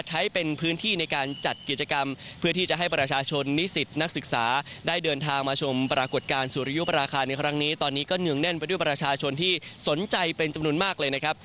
ตอนนี้ก็เนื้องแน่นไปด้วยประชาชนที่สนใจเป็นจำนวนมากเลยนะครับ